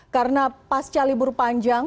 karena pasca libur panjang